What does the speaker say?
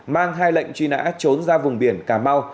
mang hai lệnh truy nã trốn ra vùng biển cà mau